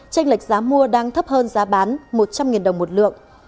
tranh lệch giá mua đang thấp hơn giá bán một trăm linh đồng một lượng